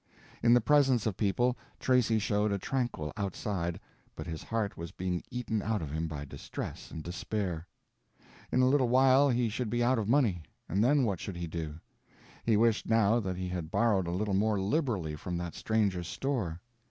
In the presence of people, Tracy showed a tranquil outside, but his heart was being eaten out of him by distress and despair. In a little while he should be out of money, and then what should he do? He wished, now, that he had borrowed a little more liberally from that stranger's store.